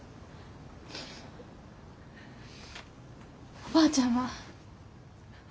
おばあちゃんは？